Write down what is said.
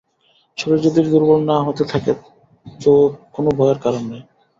শরীর যদি দুর্বল না হতে থাকে তো কোন ভয়ের কারণ নাই।